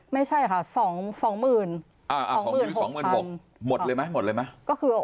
ไม่ใช่ค่ะสองหกหมื่นสองหมื่นหมดเลยไหมหมดเลยมั้ยก็คือ